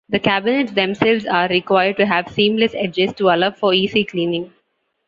The cabinets themselves are required to have seamless edges to allow for easy cleaning.